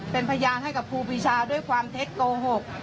เป็นพยานให้กับครูปีชาด้วยความเท็จโกหก